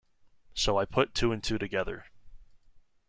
So I put two and two together.